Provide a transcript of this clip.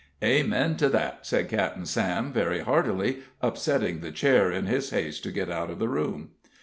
"Amen to that," said Captain Sam, very heartily, upsetting the chair in his haste to get out of the room.